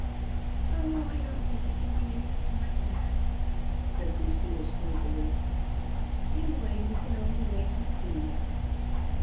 "Oh, I don't think it can be anything like that," said Lucile sleepily. "Anyway, we can only wait and see."